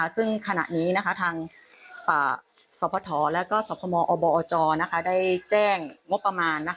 ซึ่งขณะนี้ทางสพและสพมอบอจได้แจ้งงบประมาณ